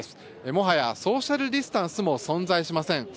もはやソーシャル・ディスタンスも存在しません。